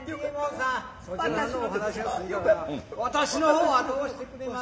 私の方はどうしてくれます？